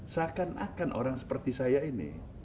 seakan akan orang seperti saya ini